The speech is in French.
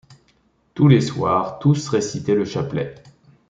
Tous les soirs, tous récitaient le chapelet.